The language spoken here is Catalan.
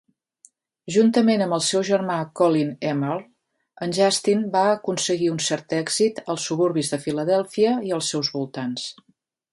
Juntament amb el seu germà Colin Emerle, en Justin va aconseguir un cert èxit als suburbis de Philadelphia i els seus voltants.